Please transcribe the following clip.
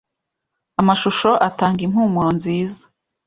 Amashusho atanga impumuro nziza